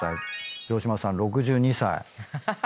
城島さん６２歳。